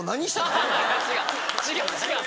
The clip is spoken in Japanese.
違う違う！